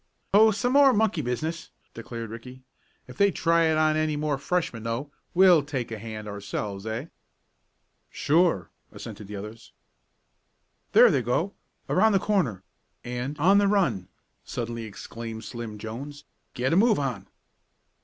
"Oh, some more monkey business," declared Ricky. "If they try it on any more Freshmen though, we'll take a hand ourselves; eh?" "Sure," assented the others. "There they go around the corner and on the run!" suddenly exclaimed Slim Jones. "Get a move on!"